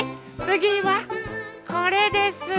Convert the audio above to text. つぎはこれです。